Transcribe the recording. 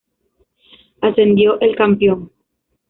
Ascendió el campeón.